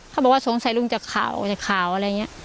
เขาบอกว่าสงสัยลุงจากข่าวจากข่าวอะไรอย่างนี้